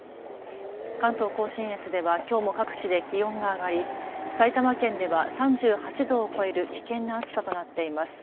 関東甲信越ではきょうも各地で気温が上がり埼玉県では３８度を超える危険な暑さとなっています。